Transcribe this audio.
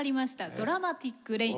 「ドラマティック・レイン」。